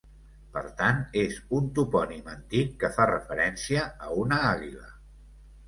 Per tant, és un topònim antic que fa referència a una àguila.